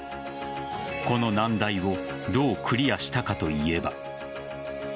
この難題をどうクリアしたかといえば。